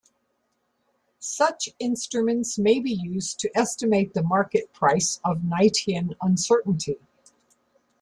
Such instruments may be used to estimate the market price of Knightian uncertainty.